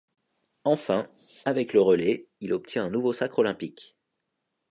Enfin, avec le relais, il obtient un nouveau sacre olympique.